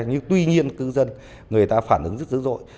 nhưng tuy nhiên cư dân người ta phản ứng rất dữ dội